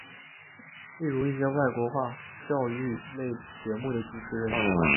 例如一些外国语教育类节目的主持人。